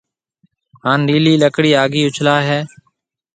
ھان لِيلِي لڪڙِي آگھيَََ اُڇلائيَ ھيََََ